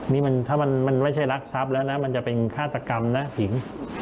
นี่ถ้ามันไม่ใช่รักทรัพย์แล้วนะมันจะเป็นฆาตกรรมนะผิง